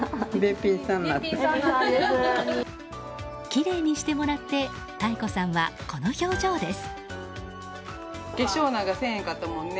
きれいにしてもらって妙子さんは、この表情です。